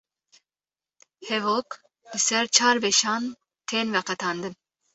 hevok li ser çar beşan tên veqetandin